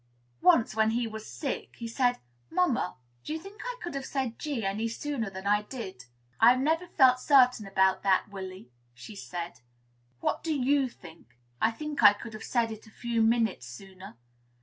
Once, when he was sick, he said, "Mamma, do you think I could have said G any sooner than I did?" "I have never felt certain about that, Willy," she said. "What do you think?" "I think I could have said it a few minutes sooner.